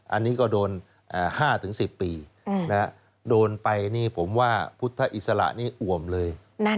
อันนี้ก็โดน๕๑๐ปีโดนไปนี่ผมว่าพุทธอิสระนี้อ่วมเลย